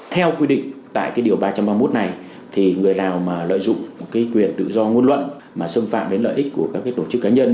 theo quy định tại điều ba trăm ba mươi một này người nào lợi dụng quyền tự do ngôn luận mà xâm phạm đến lợi ích của các tổ chức cá nhân